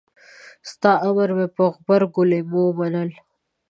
ستا امر مې پر غبرګو لېمو منل.